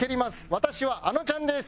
「私はあのちゃんです」。